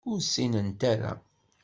Ur ssinent ara.